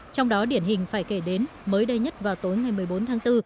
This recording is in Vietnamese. trong đó điển hình phải kể đến mới đây nhất vào tối ngày một mươi bốn tháng bốn